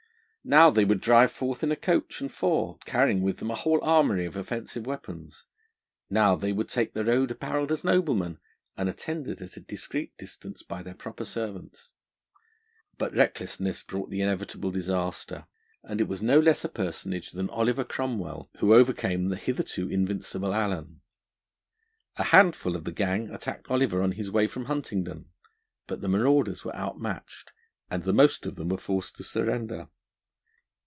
Now they would drive forth in a coach and four, carrying with them a whole armoury of offensive weapons; now they would take the road apparelled as noblemen, and attended at a discreet distance by their proper servants. But recklessness brought the inevitable disaster; and it was no less a personage than Oliver Cromwell who overcame the hitherto invincible Allen. A handful of the gang attacked Oliver on his way from Huntingdon, but the marauders were outmatched, and the most of them were forced to surrender.